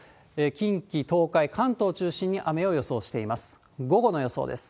近畿、東海、関東中心に雨を予想しています。